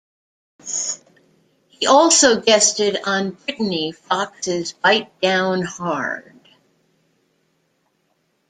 He also guested on Britny Fox's "Bite Down Hard".